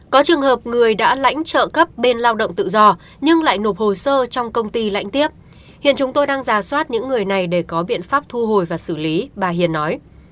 có trường hợp người đã lãnh trợ cấp bên lao động tự do nhưng lại nộp hồ sơ trong công ty lãnh tiếp hiện chúng tôi đang giả soát những người này để có biện pháp thu hồi và xử lý bà hiền nói